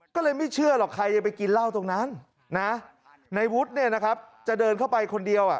ก็เลยไม่เชื่อหรอกใครจะไปกินเหล้าตรงนั้นนะในวุฒิเนี่ยนะครับจะเดินเข้าไปคนเดียวอ่ะ